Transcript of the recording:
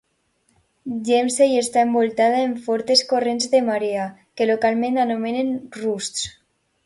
Graemsay està envoltada de fortes corrents de marea, que localment anomenen "roosts".